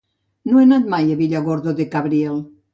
No he anat mai a Villargordo del Cabriel.